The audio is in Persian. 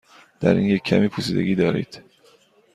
در این یکی کمی پوسیدگی دارید.